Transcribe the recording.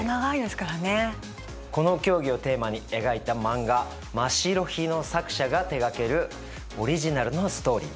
この競技をテーマに描いた漫画「ましろ日」の作者が手がけるオリジナルのストーリー。